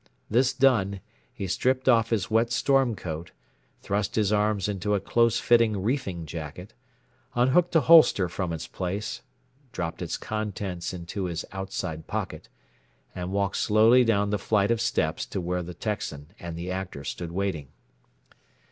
This done, he stripped off his wet storm coat, thrust his arms into a close fitting reefing jacket, unhooked a holster from its place, dropped its contents into his outside pocket, and walked slowly down the flight of steps to where the Texan and the Actor stood waiting.